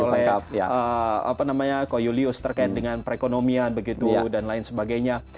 oleh apa namanya koyolius terkait dengan perekonomian begitu dan lain sebagainya